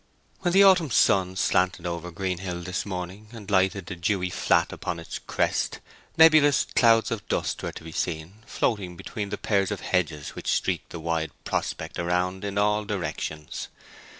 When the autumn sun slanted over Greenhill this morning and lighted the dewy flat upon its crest, nebulous clouds of dust were to be seen floating between the pairs of hedges which streaked the wide prospect around in all directions.